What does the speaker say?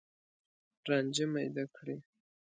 رانجه میده کړي